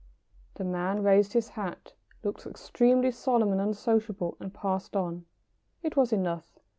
The man raised his hat, looked extremely solemn and unsociable, and passed on. It was enough.